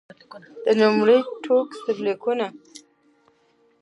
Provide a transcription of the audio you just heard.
د لومړي ټوک سرلیکونه.